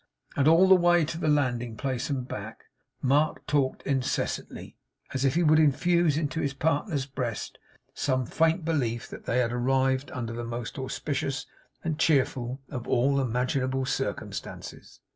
And all the way to the landing place and back, Mark talked incessantly; as if he would infuse into his partner's breast some faint belief that they had arrived under the most auspicious and cheerful of all imaginable circumstances.